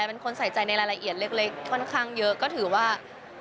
เป็นคนใส่ใจในรายละเอียดเล็กค่อนข้างเยอะก็ถือว่า